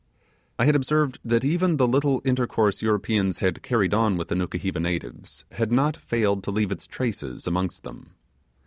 I had observed that even the little intercourse Europeans had carried on with the Nukuheva natives had not failed to leave its traces amongst them.